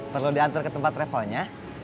perlu diantar ke tempat travelnya